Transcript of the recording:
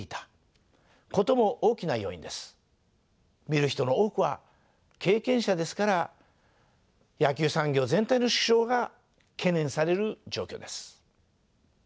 みる人の多くは経験者ですから野球産業全体の縮小が懸念される状況です。